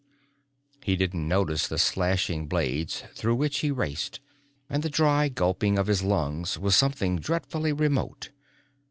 He didn't notice the slashing blades through which he raced and the dry gulping of his lungs was something dreadfully remote.